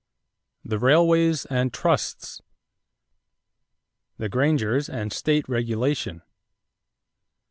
THE RAILWAYS AND TRUSTS =The Grangers and State Regulation.